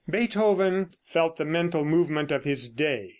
Beethoven felt the mental movement of his day.